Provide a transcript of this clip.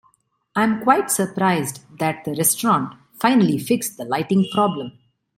I am quite surprised that the restaurant finally fixed the lighting problem.